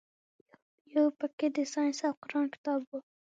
يو پکښې د ساينس او قران کتاب و.